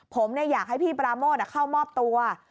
ผมอยากให้พี่ปราโมทเข้ามอบตัว